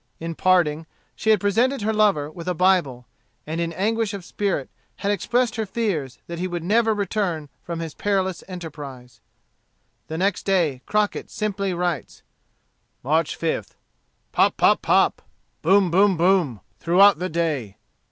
In parting, she had presented her lover with a Bible, and in anguish of spirit had expressed her fears that he would never return from his perilous enterprise. The next day, Crockett simply writes, "March 5th. Pop, pop, pop! Bom, bom, bom! throughout the day.